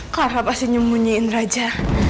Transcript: farah pasti nyemunyiin raja